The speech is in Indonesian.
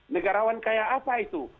negarawan kayak apa itu